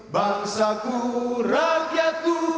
bangsa ku rakyat ku